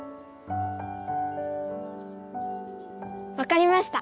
わかりました。